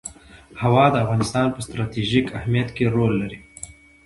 هوا د افغانستان په ستراتیژیک اهمیت کې رول لري.